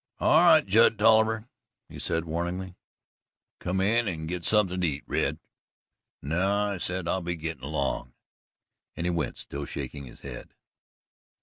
"All right, Judd Tolliver," he said warningly. "Come in and git something to eat, Red." "No," he said, "I'll be gittin' along" and he went, still shaking his head.